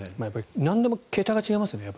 なんでも桁が違いますね。